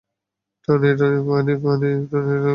Tony - Tony pony - Tony pony - Tony pony?